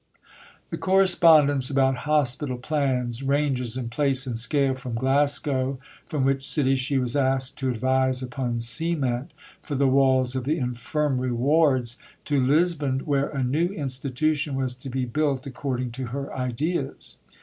The correspondence about hospital plans ranges in place and scale from Glasgow, from which city she was asked to advise upon cement for the walls of the Infirmary wards, to Lisbon, where a new institution was to be built according to her ideas.